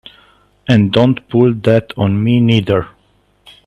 And don't pull that on me neither!